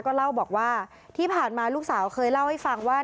ก็เล่าบอกว่าที่ผ่านมาลูกสาวเคยเล่าให้ฟังว่า